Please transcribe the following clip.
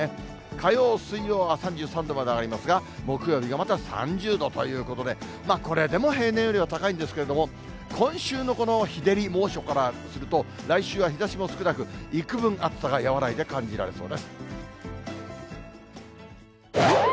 火曜、水曜は３３度まで上がりますが、木曜日がまた３０度ということで、これでも平年よりは高いんですけれども、今週のこの日照り、猛暑からすると来週は日ざしも少なく、幾分暑さが和らいで感じらえっ！！